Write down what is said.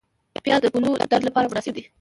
پیاز د ګلودرد لپاره مناسب دی